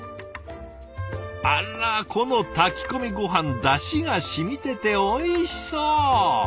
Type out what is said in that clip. あらこの炊き込みごはんだしがしみてておいしそう！